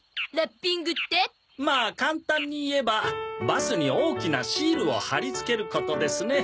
まあ簡単に言えばバスに大きなシールを貼り付けることですね。